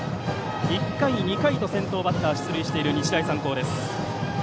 １回、２回と先頭バッター出塁している日大三高。